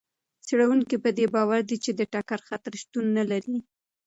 څېړونکي په دې باور دي چې د ټکر خطر شتون نه لري.